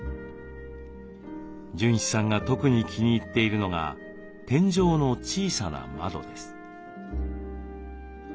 純一さんが特に気に入っているのが天井の小さな窓です。